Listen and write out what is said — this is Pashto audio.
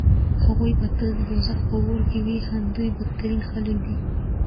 هغوی به تل د دوزخ په اور کې وي همدوی بدترين خلک دي